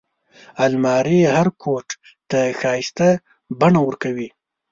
الماري هر کوټ ته ښايسته بڼه ورکوي